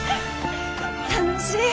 楽しい！